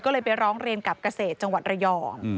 ก็เลยไปร้องเรียนกับเกษตรจังหวัดระยอง